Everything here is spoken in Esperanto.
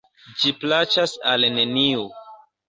Ĝi plaĉas al neniu.